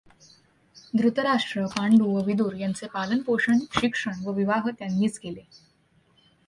धृतराष्ट्र, पांडू व विदुर यांचे पालनपोषण, शिक्षण व विवाह त्यांनीच केले.